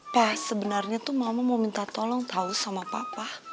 pes sebenarnya tuh mama mau minta tolong tahu sama papa